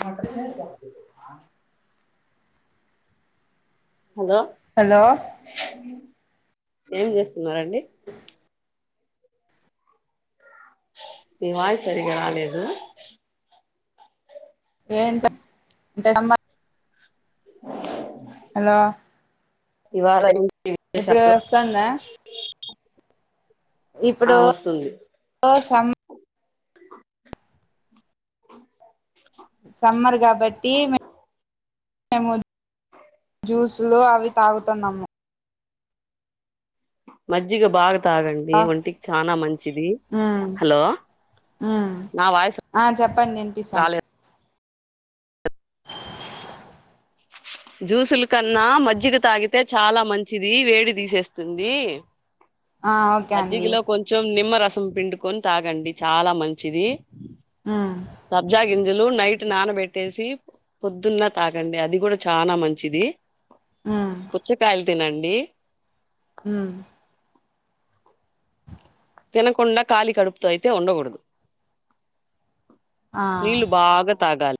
మాట hello hello ఏం చేస్తున్నారండి. మీ వాయిస్ సరిగా రాలేదు. ఏ అంటే [unintelligible] హలో! ఇవాళ ఈ ఇప్పుడు వస్తాందా? ఆ ఇప్పుడు వస్తుంది [inaudible] సమ్మర్ కాబట్టి మేమ్ ఏమొద్ జూస్ లో అవి తాగుతున్నాము. మజ్జిగ బాగ తాగండి ఒంటికి చాలా మంచిది ఉమ్ హలో ఉమ్ నా వాయిస్ ఆ చెప్పండి వినిపిస్తుంది రాలేదు. జ్యూసుల కన్నా మజ్జిగ తాగితే చాలా మంచిది. వేడి తీసేస్తుంది. ఆ ఓకే అండి మజ్జిగలో కొంచెం నిమ్మ రసం రసం పిండుకొని తాగండి చాలా మంచిది. ఉమ్ సబ్జా గింజలు నైట్ నానబెట్టేసి పొద్దున్న తాగండి అది కూడా చానా మంచిది. ఉమ్ పుచ్చకాయల్ తినండి. హ్మ్ తినకుండా కాలి కడుపుతో అయితే ఉండకూడదు. ఆ నీళ్ళు బాగా తాగాలి.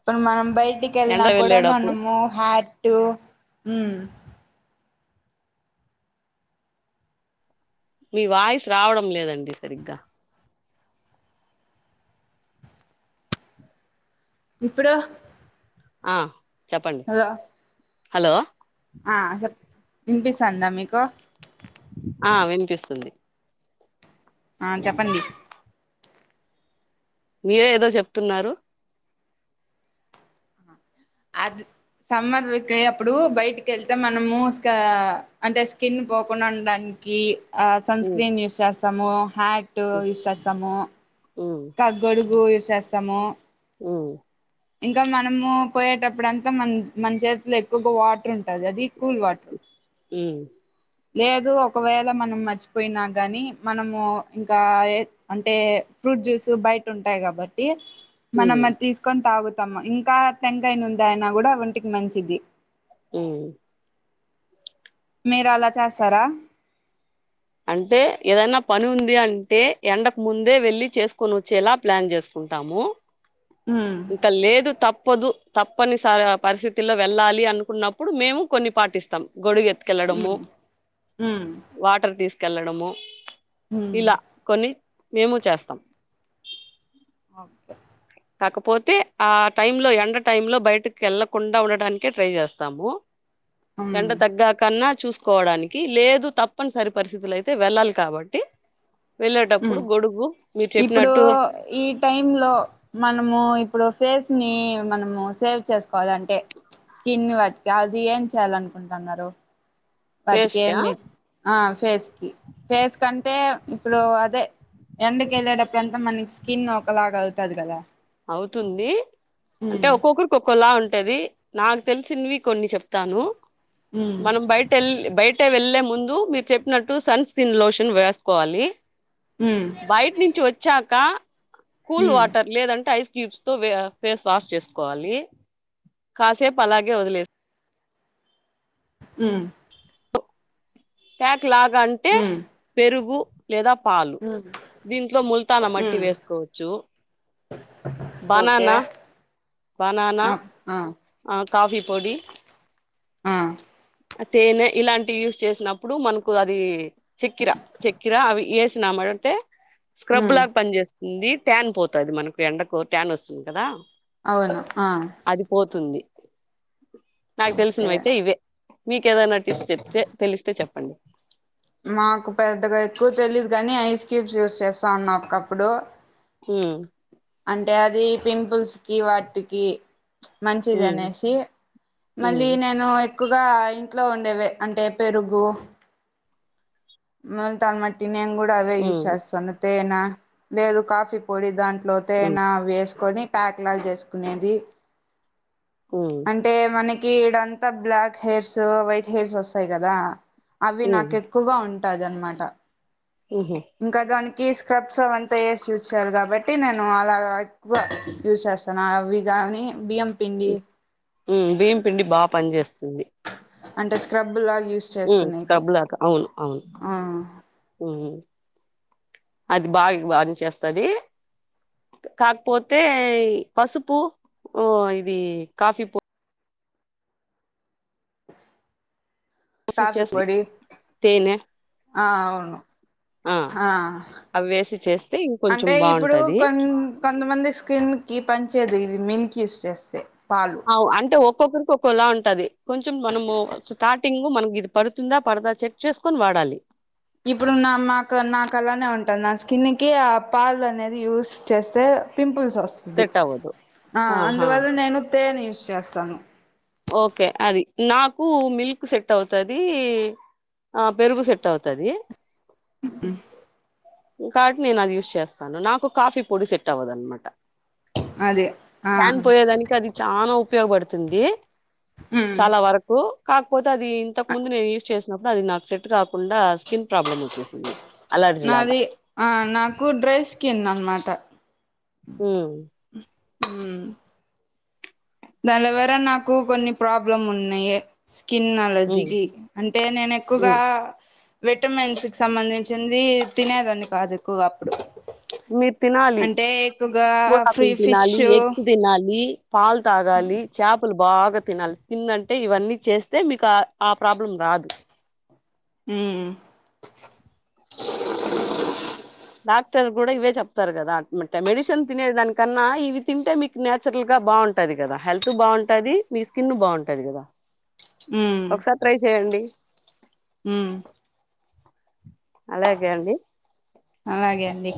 ఇప్పుడు మనం బయట్ బయటికి వెళ్ళిన ఎండ కూడా వెళ్ళేటప్పుడు మనము హయి టు హ్మ్ మీ వాయిస్ రావడం లేదండి సరిగ్గా. ఇప్పుడో ఆ చెప్పండి హలో! హలో! ఆ వినిపిస్తుందా మీకు? ఆ వినిపిస్తుంది. ఆ చెప్పండి? మీరే ఏదో చెప్తున్నారు? అది సమ్మర్కియప్పుడు బయటికి వెళ్తే మనము అంటే స్కిన్ పోకుండా ఉండడానికి. సన్ ఉమ్ స్క్రీమ్ యూజ్ చేస్తాం. స్థాము హ్యాట్ ఉమ్ యూజ్ చేస్తాము ఇంకా గొడుగు యూజ్ చేస్తాము తమో హ్మ్ ఇంకా మనము పోయేటప్పుడు అంతా మన మన చేతిలో ఎక్కువగా వాటర్ ఉంటది అది కూల్ వాటర్ హ్మ్ లేదు ఒకవేళ మనం మర్చిపోయినా గానీ మనము ఇంకా అంటే ఫ్రూట్ జ్యూస్ బయట ఉంటాయి కాబట్టి మనం ఉమ్ ఆది తీసుకొని తగు ఇంకా తెంగాయ ను ఉంది అయినా కూడా ఒంటికి మంచిది అ మీరు అలా చేస్తారా అంటే ఏదైనా పని ఉంది అంటే ఎండకు ముందే వెళ్లి చేసుకొని వచ్చేలా ప్లాన్ చేసుకుంటాము హ్మ్ ఇంకా లేదు తప్పదు తప్పనిసరీ పరిస్థితుల్లో వెళ్ళాలి అనుకున్నప్పుడు మేము కొన్ని పాటిస్తాం గొడుగెత్ తీసుకెళ్ళడము హ్మ్ హ్మ్ వాటర్ తీసు కెళ్ళడము హ్మ్ ఇలా కొన్ని మేము చేస్తాం ఓకే కాకపోతే ఆ టై లో ఎండ టై లో బయటకి వెళ్ళకుండా ఉండటనికే ట్రై చేస్తాము హ్మ్ ఎండ తగ్గా కన్నా చూస కోవడానికి లేదు తప్పనిసరి పరిస్థితులు అయితే వెళ్ళాలి కాబట్టి వెళ్ళేటప్పుడు గొడుగు మీరు ఇప్పుడు చెప్పినట్టు ఈ టైమ్ లో మనము ఇప్పుడు ఫేస్ ని మనము సేవ్ చేస్త కోవాలంటే స్కిన్ వాటి కి అది ఏం చేయాలనుకుంటున్నారు వాటికి ఫేస్కా ఏమి ఆ ఫేస్ కి ఫేస్ కంటే ఇప్పుడు అదే ఎండకి వెళ్ళేటప్పుడు అంతా మనకి స్కిన్ ఒకలాగ అవుతుంది కదా అవుతుంది అంటే హ్మ్ ఒక్కొక్కరుకి ఒక్కోలా ఉంటు ఉంటది నాకు తెలిసినవి కొన్ని చెప్తాను హ్మ్ మనం బయట వెళ్ల్ బయట అే వెళ్ళలే ముందు మీరు చెప్పినట్టు సన్ స్క్రీన్ లోషన్ వేసుకోవాలి హ్మ్ బయట నుంచి వచ్చాక కూల్ హ్మ్ వాటర్ లేదంటే ైస్ క్యూబ్స్ తో ఫేస్ వాష్ చేసుకోవాలి కాసేపు అలాగే వదిలే ఊ [inaudible] క్లాగ్ అంటే హ్మ్ పెరుగు లేదా పాలు హ్మ్ దీంట్లో ముల్తాన మట్టి హ్మ్ వేసుకోవచ్చు ఓకే బనానా బనానా ఆ ఆ ఆ కాఫీ పొడి ఆ తేనె ఇలాంటి యూస్ చేసినప్పుడు మనకు అది చక్కిర చక్కిర అవి వేసినామాటంటే స్క్రబ్ ఉమ్ లాగా పని చేస్త ఉంది ట్యాన్ పోతుంది మనకు ఎండకు ట్యాన్ వస్తుంది కదా అవును ఆ అది పోతుంది నాకు ఓకే తెలిసినవి అయితే ఇవే మీకేదన్నా టిప్స్ చెప్తే తెలిస్తే చెప్పండి మాకు పెద్దగా ఎక్కువ్ తెలీదు గాని ఐస్ క్యూబ్స్ యూజ్ చేస్తా ఉన్నా ఒకప్పుడు హు అంటే అది పింపుల్స్ కి వాటికి మంచిది ఉమ్ అనేసి మళ్ళీ ఉమ్ నేను ఎక్కువగా ఇంట్లో ఉండేవే అంటే పెరుగు ముల్తాన్మట్టి నేను కూడా అవే యూస్ ఉమ్ చేస్తాను తేన లేదు కాఫీ పొడి దాంట్లో లో తేనా వేసుకొని ప్యాక్ లాగా చేసుకునేది ఉమ్ అంటే మనక్ ఇడ అంతా బ్లాక్ హెయిర్స్ వైట్ హెయిర్స్ వస్తాయి కదా అవి ఉమ్ ఉమ్ నాకు ఎక్కువగా ఉన్ టాజనుమాట ఉహు ఇంకా దానిక్ ఈ స్క్రబ్స్ అవంతా ఏసి యూజ్ చేయాలి కాబట్టి నేను అలాగా ఎక్కువ యూజ్ చేస్తాను అవి కానీ బియ్యం పిండి హ్ బియ్యంపిండి బాగా పని చేస్తుంది అంటే స్క్రబ్ లాగ్ హ్ స్క్రబ్ లాగా అవును అవును ఆ అది బాగా బాగానే చేస్తది కాకపోతే పసుపు ఇది కాఫీ పౌ పొడి కాఫీ చేసి పొడి తేనె ఆ అవును ఆ అవి వేసి చేస్తే ఇంకొంచెం అంటే ఇప్పుడు బాగుంటది కోన్ కొంతమంది స్కిన్ కి పనిచేయదు ఇద్ ది మిల్క్ యజ్ చేస్తే పాలు అవు అంటే ఒక్కొక్కరికి ఒక్ కొలా ఉంటది కొంచం మనము స్టార్టింగ్ మనక్ ఇది పడుతుందా పడదా చెక్ చేసుకొని వాడాలి ఇప్పుడు నా మాకు నాకు అలానే ఉంటుంది అని నా స్కిన్ కి ఆ పాల్ అనేది యూస్ చేస్తే పింపుల్ పుల్స్ వస్తుంది సెట్ అవ్వదు ఆ ఆహా అందువల్ల నేను తేనె చేస్తాను ఓకే అది నాకు మిల్క్ సెట్ అవుతాది ఆ పెరుగు సెట్ అవుతది కాబటి నేను అది యూజ్ చేస్తాను నాకు కాఫీ పొడి సెట్ అవ్వదు అనమాట అదే ఆ క్యాన్ పోయేదానికి అది చాన ఉపయోగపడుతుంది తుంది ఉమ్ చాల వరకు ఆపోతే తది ఇంతకు ముందు నేను యూజ్ చేసిన అది నాకు సెట్ కాకుండా స్కిన్ ప్రాబ్లమ్ ఉంది నాది ఆ నాకు డ్రెస్ కిందనమాట హు హుమ్ దాని వెర నాకు కొన్ని ప్రాబ్లం ఉన్నాయ స్కిన్ ఉమ్ అలర్జీకి అంటే నేన్ ఎక్కువగా ఉమ్ విటమిన్స్ కి సంబంధించింది తినేదాన్ని కాదు ఎక్కువగా అప్పుడు మీర్ తినాలి అంటే ఎక్కువగా పపి ఫ్రీ ఫిష్ తీినాలి ఎగ్స్ తినాలి పాల్ తాగాలి చేపలు బాగ తినాలి స్కిన్ అంటే ఇవన్నీ చేస్తే మీకు ఆ ప్రాబ్లం రాదు మ్ డాక్టర్ కూడ ఇవే చెప్తారు కదా మెడిసెన్ తినేది దానికన్నా ఇవి తింటే మీకు నేచురల్ గా బాగుంటది కదా హెల్త్ బాగుంటది మీ స్కిన్ బాగుంటది కదా ఒకసారి ట్రై చెయండి హుమ్ అలాగె అండి అలాగే అండి